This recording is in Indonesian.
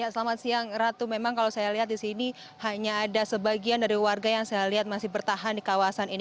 selamat siang ratu memang kalau saya lihat di sini hanya ada sebagian dari warga yang saya lihat masih bertahan di kawasan ini